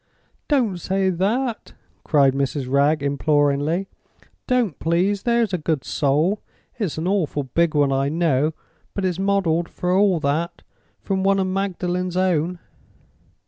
"Don't say that!" cried Mrs. Wragge, imploringly. "Don't please, there's a good soul! It's an awful big one, I know; but it's modeled, for all that, from one of Magdalen's own."